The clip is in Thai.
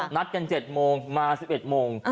นัดกัน๗โมงมา๑๑โมง